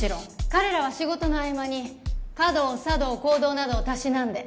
彼らは仕事の合間に華道茶道香道などをたしなんで